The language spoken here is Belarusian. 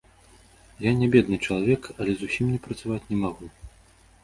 Я не бедны чалавек, але зусім не працаваць не магу.